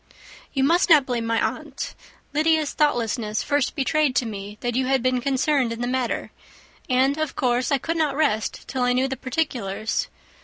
"You must not blame my aunt. Lydia's thoughtlessness first betrayed to me that you had been concerned in the matter; and, of course, I could not rest till I knew the particulars.